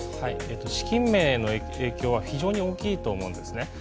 資金面への影響は非常に大きいと思うんですね。